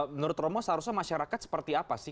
menurut romo seharusnya masyarakat seperti apa sih